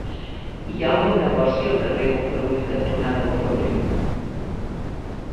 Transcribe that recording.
Hi ha algun negoci al carrer Bofarull cantonada Bofarull?